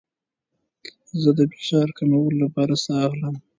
زه د فشار کمولو لپاره ساه اخلم.